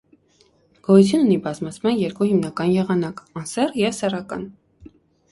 Գոյություն ունի բազմացման երկու հիմնական եղանակ՝ անսեռ և սեռական։